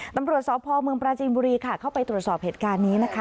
ตำรวจสพเมืองปราจีนบุรีค่ะเข้าไปตรวจสอบเหตุการณ์นี้นะคะ